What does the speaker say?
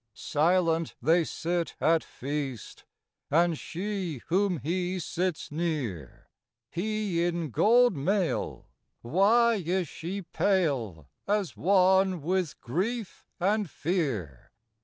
Silent they sit at feast, And she, whom he sits near, He in gold mail, why is she pale, As one with grief and fear?